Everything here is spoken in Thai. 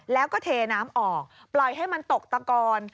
แล้วก็เทน้ำออกปล่อยให้มันตกตะกอน